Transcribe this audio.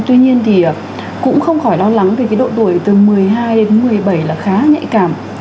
tuy nhiên thì cũng không khỏi lo lắng về cái độ tuổi từ một mươi hai đến một mươi bảy là khá nhạy cảm